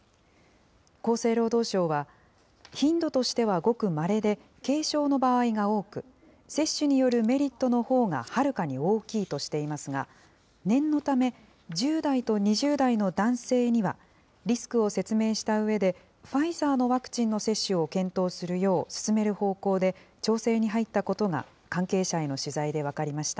厚生労働省は、頻度としてはごくまれで、軽症の場合が多く、接種によるメリットのほうがはるかに大きいとしていますが、念のため、１０代と２０代の男性には、リスクを説明したうえで、ファイザーのワクチンの接種を検討するよう勧める方向で調整に入ったことが、関係者への取材で分かりました。